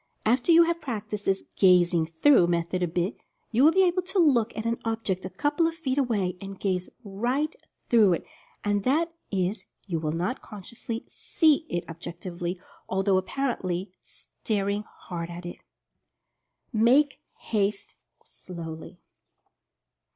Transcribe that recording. After you have prac ticed this "gazing through" method a bit, you will be able to look at an object a couple of feet away, and gaze right through it — that is, you will not consciously "see" it objectively, although apparently staring hard at it. MAKE HASTE SLOWLY.